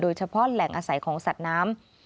เฉพาะแหล่งอาศัยของสัตว์น้ำ